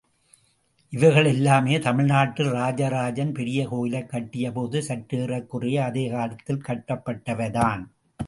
இவைகள் எல்லாமே தமிழ்நாட்டில் ராஜராஜன் பெரிய கோயில் கட்டிய போது, சற்றேறக்குறைய அதே காலத்தில் கட்டப்பட்டவைதான்.